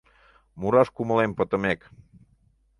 Мураш кумылем пытымек.